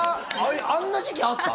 あんな時期あった？